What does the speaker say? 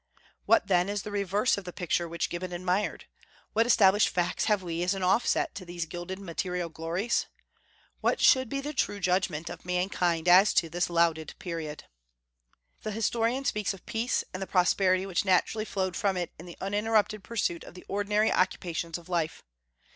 What, then, is the reverse of the picture which Gibbon admired? What established facts have we as an offset to these gilded material glories? What should be the true judgment of mankind as to this lauded period? The historian speaks of peace, and the prosperity which naturally flowed from it in the uninterrupted pursuit of the ordinary occupations of life.